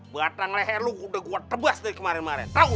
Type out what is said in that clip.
batang leher lo udah tebas dari kemarin kemarin